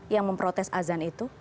yang memprotes azan itu